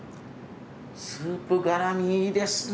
スープ絡みいいですね。